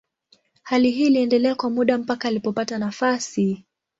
Hali hii iliendelea kwa muda mpaka alipopata nafasi.